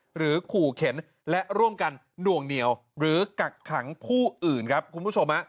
หรือขู่เข็นและร่วมกันหน่วงเหนียวหรือกักขังผู้อื่นครับคุณผู้ชม